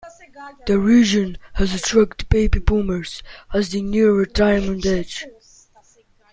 The region has attracted Baby Boomers as they near retirement age.